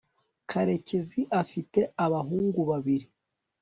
karekezi afite abahungu babiri